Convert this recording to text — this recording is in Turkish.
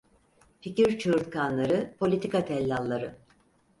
Fikir çığırtkanları, politika tellalları…